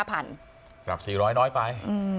ปรับ๔๐๐น้อยไป